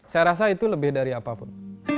saya rasa itu lebih dari apapun